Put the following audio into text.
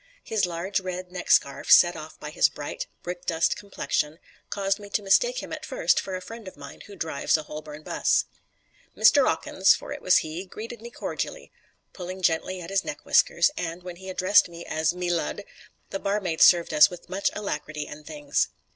His large, red neckscarf set off by his bright, brick dust complexion caused me to mistake him at first for a friend of mine who drives a Holborn bus. Mr. 'Awkins (for it was he) greeted me cordially, pulled gently at his neck whiskers, and, when he addressed me as Me Lud, the barmaid served us with much alacrity and things.